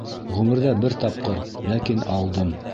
Ғүмерҙә бер тапҡыр, ләкин алдым.